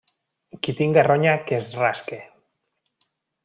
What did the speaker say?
Qui tinga ronya, que es rasque.